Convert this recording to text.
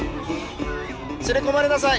連れ込まれなさい！